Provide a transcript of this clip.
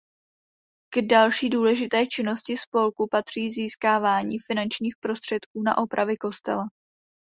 K další důležité činnosti spolku patří získávání finančních prostředků na opravy kostela.